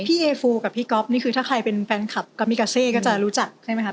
พี่เอฟูกับพี่ก๊อฟนี่คือถ้าใครเป็นแฟนคลับก๊อปมิกาเซก็จะรู้จักใช่ไหมครับ